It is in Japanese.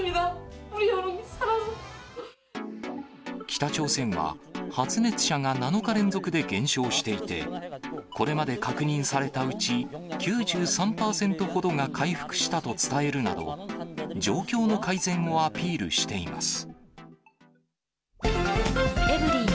北朝鮮は、発熱者が７日連続で減少していて、これまで確認されたうち、９３％ほどが回復したと伝えるなど、状況の改善をアピールしています。